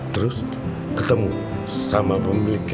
terus ketemu sama pemiliknya